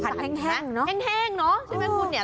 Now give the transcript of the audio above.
แห้งเนอะแห้งเนอะใช่ไหมคุณเนี่ย